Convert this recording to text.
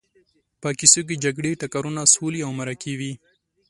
په کیسو کې جګړې، ټکرونه، سولې او مرکې وي.